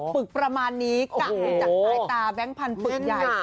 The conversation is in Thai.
ฝึกประมาณนี้กะมาจากสายตาแบงค์พันธุ์ปืนใหญ่